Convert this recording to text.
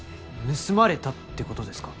盗まれたってことですか？